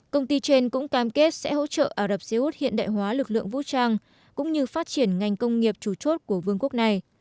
công ty trên cũng cam kết sẽ hỗ trợ ả rập xê út hiện đại hóa lực lượng vũ trang cũng như phát triển ngành công nghiệp chủ chốt của vương quốc này